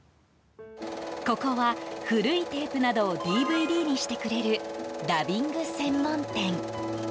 ここは、古いテープなどをＤＶＤにしてくれるダビング専門店。